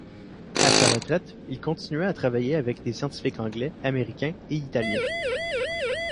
À sa retraite, il continuait à travailler avec des scientifiques anglais, américains et italiens.